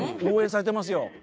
応援されてますよ。